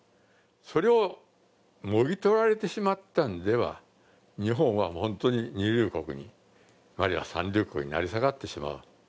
それをもぎ取られてしまったんでは日本は本当に二流国に、あるいは三流国に成り下がってしまう。